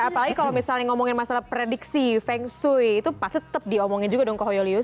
apalagi kalau misalnya ngomongin masalah prediksi feng shui itu pasti tetap diomongin juga dong ke hoyolius